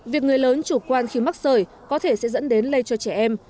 việc người lớn chủ quan khi mắc sởi có thể sẽ dẫn đến lây cho trẻ em